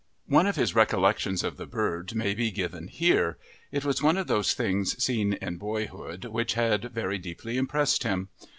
One of his recollections of the bird may be given here. It was one of those things seen in boyhood which had very deeply impressed him.